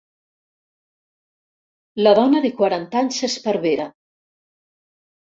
La dona de quaranta anys s'esparvera.